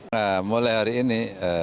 nah mulai hari ini